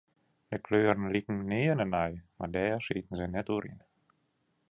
De kleuren liken nearne nei, mar dêr sieten se net oer yn.